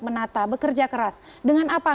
menata bekerja keras dengan apa